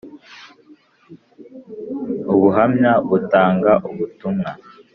Ubuhamya butanga ubutumwa.